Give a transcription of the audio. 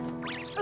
あ。